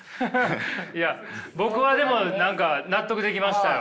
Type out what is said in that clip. いや僕はでも何か納得できましたよ。